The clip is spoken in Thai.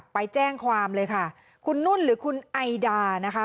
ไปแจ้งความเลยค่ะคุณนุ่นหรือคุณไอดานะคะ